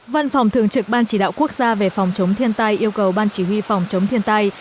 văn phòng thường trực ban chỉ đạo quốc gia về phòng chống thiên tai yêu cầu ban chỉ huy phòng chống thiên tai